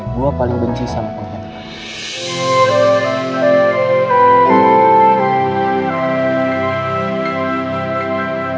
gue paling benci sama penghentikan